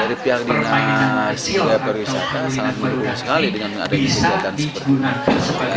dari pihak dinas pihak perwisata sangat berhubung sekali dengan mengadakan kebijakan seperti ini